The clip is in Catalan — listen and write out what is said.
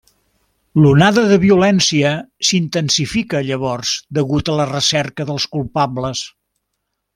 L'onada de violència s'intensifica llavors degut a la recerca dels culpables.